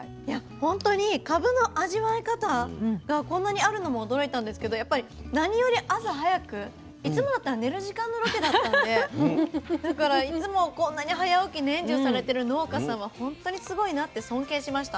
ほんとにかぶの味わい方がこんなにあるのも驚いたんですけどやっぱり何より朝早くいつもだったら寝る時間のロケだったんでだからいつもこんなに早起き年中されてる農家さんは本当にすごいなって尊敬しました。